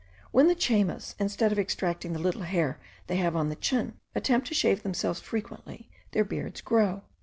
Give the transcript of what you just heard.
When the Chaymas, instead of extracting the little hair they have on the chin, attempt to shave themselves frequently, their beards grow.